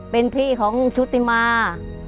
เป็นพี่ของชุติมา